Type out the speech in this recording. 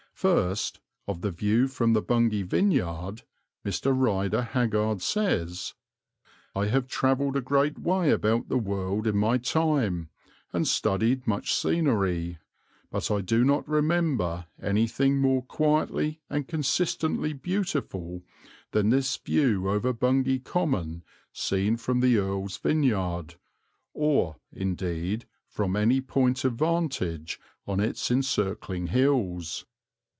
First of the view from the Bungay vineyard Mr. Rider Haggard says: "I have travelled a great way about the world in my time and studied much scenery, but I do not remember anything more quietly and consistently beautiful than this view over Bungay Common seen from the Earl's vineyard, or, indeed, from any point of vantage on its encircling hills.